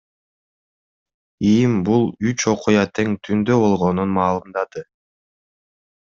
ИИМ бул үч окуя тең түндө болгонун маалымдады.